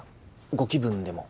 ご気分でも。